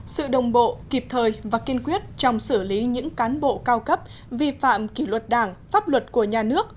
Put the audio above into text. sự đồng bộ kịp thời và kiên quyết trong xử lý những cán bộ cao cấp vi phạm kỷ luật đảng pháp luật của nhà nước